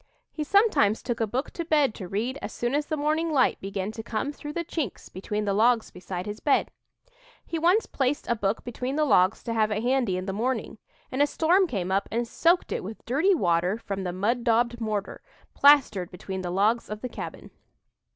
He sometimes took a book to bed to read as soon as the morning light began to come through the chinks between the logs beside his bed. He once placed a book between the logs to have it handy in the morning, and a storm came up and soaked it with dirty water from the "mud daubed" mortar, plastered between the logs of the cabin.